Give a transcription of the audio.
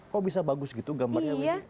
kok bisa bagus gitu gambarnya